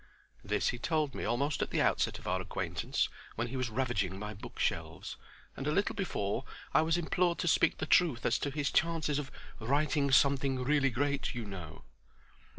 This he told me almost at the outset of our acquaintance; when he was ravaging my bookshelves, and a little before I was implored to speak the truth as to his chances of "writing something really great, you know."